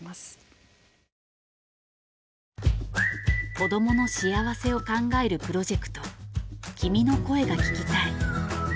子どもの幸せを考えるプロジェクト「君の声が聴きたい」。